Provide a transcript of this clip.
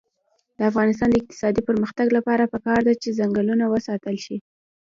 د افغانستان د اقتصادي پرمختګ لپاره پکار ده چې ځنګلونه وساتل شي.